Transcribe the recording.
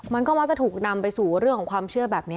มันก็มักจะถูกนำไปสู่เรื่องของความเชื่อแบบนี้